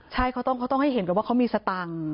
ใช่เขาต้องให้เห็นก่อนว่าเขามีสตังค์